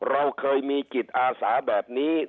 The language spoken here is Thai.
เราเคยมีจิตอาสาแบบนี้